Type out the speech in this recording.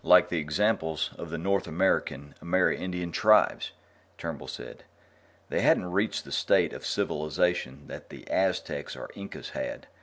"Like the examples of the North American Amerindian tribes." Turnbull said. "They hadn't reached the state of civilization that the Aztecs or Incas had.